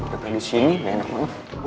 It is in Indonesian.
karena disini gak enak banget